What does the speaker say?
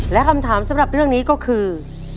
และคำถามสำหรับเรื่องนี้ก็คือ